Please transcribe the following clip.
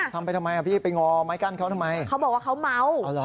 ทำไมอ่ะพี่ไปงอไม้กั้นเขาทำไมเขาบอกว่าเขาเมา